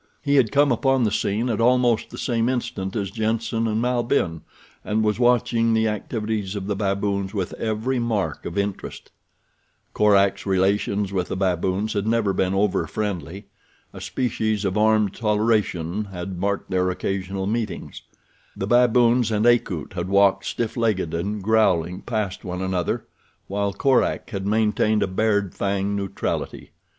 He had come upon the scene at almost the same instant as Jenssen and Malbihn, and was watching the activities of the baboons with every mark of interest. Korak's relations with the baboons had never been over friendly. A species of armed toleration had marked their occasional meetings. The baboons and Akut had walked stiff legged and growling past one another, while Korak had maintained a bared fang neutrality.